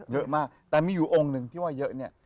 เยอะมากแต่มีอยู่องค์หนึ่งที่ว่าเยอะเนี่ย